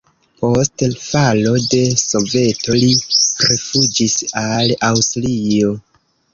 Post falo de Soveto li rifuĝis al Aŭstrio.